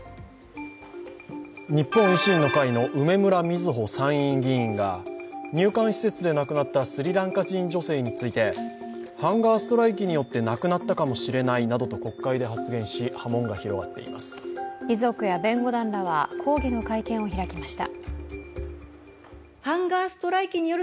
日本維新の会の梅村みずほ参院議員が入管施設で亡くなったスリランカ人女性についてハンガーストライキによって亡くなったかもしれないなどと国会で発言し、遺族や弁護団らは抗議の会見を開きました。